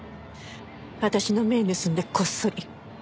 私の目盗んでこっそり。